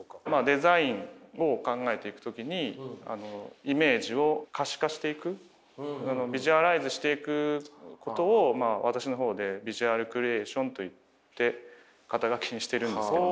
デザインを考えていく時にイメージを可視化していくビジュアライズしていくことを私の方でビジュアルクリエイションと言って肩書にしてるんですけども。